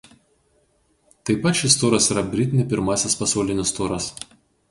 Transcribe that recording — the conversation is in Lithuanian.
Taip pat šis turas yra Britney pirmasis pasaulinis turas.